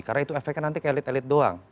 karena itu efeknya nanti ke elit elit doang